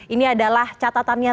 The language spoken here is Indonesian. ini adalah catatannya